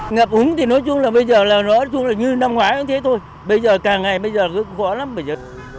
ngập úng thì nói chung là như năm ngoái cũng thế thôi bây giờ càng ngày bây giờ cũng khó lắm bây giờ